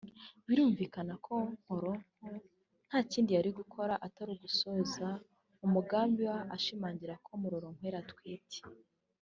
Birumvikana ko Nkoronko nta kindi yari gukora atari ugusoza umugambi we ashimangira ko Murorunkwere atwite